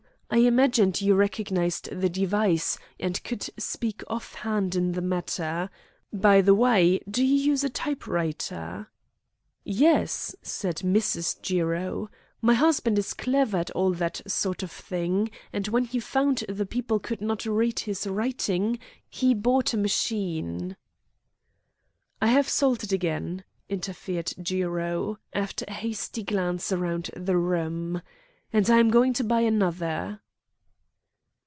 I imagined you recognised the device, and could speak off hand in the matter. By the way, do you use a type writer?" "Yes," said Mrs. Jiro. "My husband is clever at all that sort of thing, and when he found the people could not read his writing he bought a machine." "I have sold it again," interfered Jiro, after a hasty glance round the room, "and I am going to buy another."